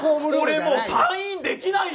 俺もう退院できないよ！